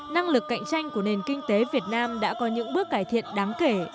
năng lực cạnh tranh của nền kinh tế việt nam đã có những bước cải thiện đáng kể